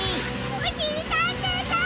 おしりたんていさん！